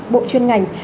bộ chuyên ngành